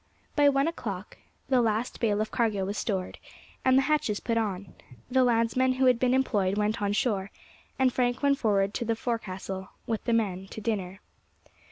By one o'clock the last bale of cargo was stowed, and the hatches put on. The landsmen who had been employed went on shore, and Frank went forward to the forecastle, with the men, to dinner.